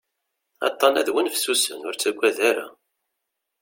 Aṭṭan-a d win fessusen, ur ttaggad ara.